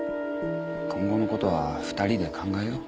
今後の事は２人で考えよう。